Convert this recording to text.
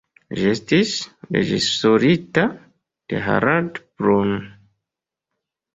Ĝi estis reĝisorita de Harald Braun.